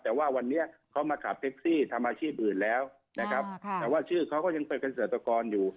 แต่ว่าวันนี้เขามาขับแท็กซี่ทำอาชีพอื่นแล้วนะครับแต่ว่าชื่อเขาก็ยังเป็นเกษตรกรอยู่